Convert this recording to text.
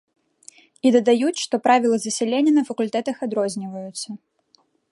І дадаюць, што правілы засялення на факультэтах адрозніваюцца.